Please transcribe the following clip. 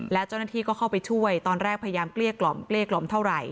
แล้วเจ้าหน้าที่ก็เข้าไปช่วยตอนแรกพยายามเกลี้ยกล่อมเกลี้ยกล่อมเท่าไหร